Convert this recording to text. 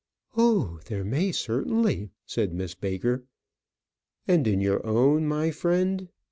"Oh, there may, certainly," said Miss Baker. "And in your own, my friend?